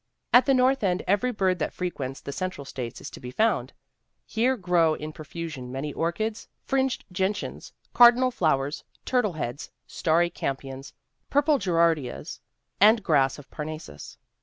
At the north end every bird that frequents the Central States is to be found. Here grow in profusion many orchids, fringed gentians, cardinal flowers, turtle heads, starry campions, purple gerar dias, and grass of Parnassus.